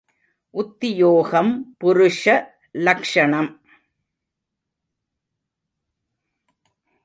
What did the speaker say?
உத்தியோகம் புருஷ லக்ஷணம்.